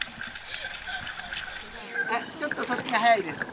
ちょっとそっちが速いです。